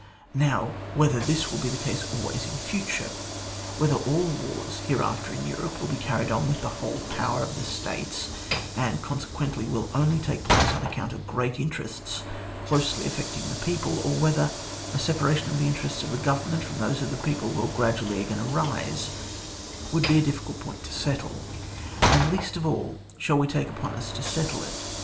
Now, whether this will be the case always in future, whether all wars here after in Europe will be carried on with the whole power of the States, and, con sequentiy, will only take place on account of great interests closely affecting the people, or whether a separation of the interests of the Government from those of the people will gradually again arise, would be a difficult point to settle ; and, least of all, shall we take upon us to settie it.